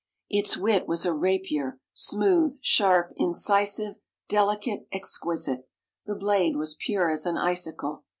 Its wit was a rapier, smooth, sharp, incisive, delicate, exquisite. The blade was pure as an icicle.